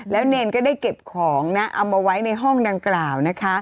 แล้วเนินก็ได้เก็บของนะ